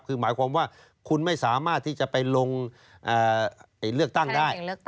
คือหมายความว่าคุณไม่สามารถที่จะไปลงเลือกตั้งได้